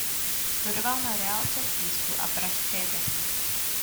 Studoval na reálce v Písku a pražské technice.